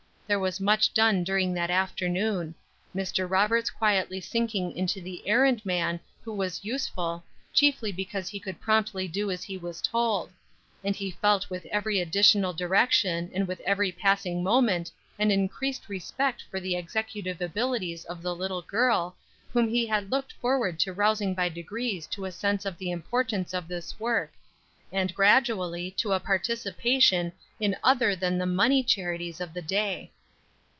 There was much done during that afternoon. Mr. Roberts quietly sinking into the errand man who was useful, chiefly because he could promptly do as he was told; and he felt with every additional direction and with every passing moment an increased respect for the executive abilities of the little girl, whom he had looked forward to rousing by degrees to a sense of the importance of this work, and gradually to a participation in other than the money charities of the day.